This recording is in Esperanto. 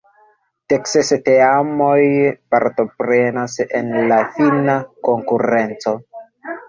Dekses teamoj partoprenas en la fina konkurenco.